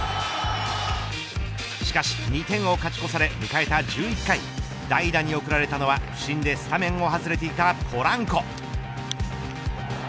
しかし２点を勝ち越され迎えた１１回代打に送られたのは不振でスタメンを外れていたポランコ。